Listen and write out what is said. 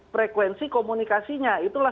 frekuensi komunikasinya itulah